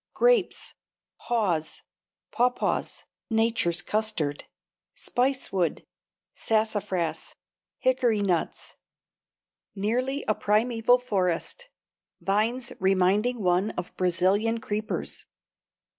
Grapes. Haws. Pawpaws. (Nature's custard.) Spicewood. Sassafras. Hickory nuts. Nearly a primeval forest. Vines reminding one of Brazilian creepers.